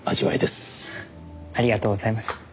ありがとうございます。